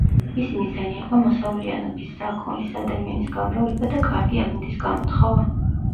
მისი მიზანი იყო მოსავლიანობის, საქონლის, ადამიანის გამრავლება და კარგი ამინდის გამოთხოვა.